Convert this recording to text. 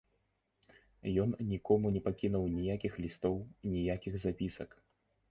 Ён нікому не пакінуў ніякіх лістоў, ніякіх запісак.